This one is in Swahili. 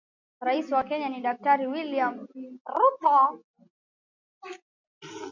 Rais wa Kenya ni daktari William ruto